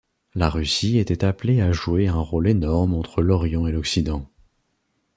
La Russie était appelée à jouer un rôle énorme entre l'Orient et l'Occident.